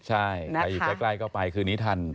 ใช่ไปอีกใกล้ก็ไปคืนนี้ทัน